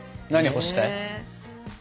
干したい？